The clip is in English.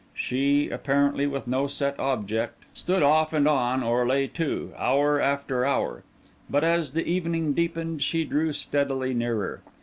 She, apparently with no set object, stood off and on or lay to, hour after hour; but as the evening deepened, she drew steadily nearer.